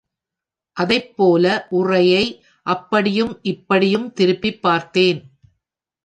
அதைப்போல உறையை அப்படியும் இப்படியும் திருப்பிப் பார்த்தேன்.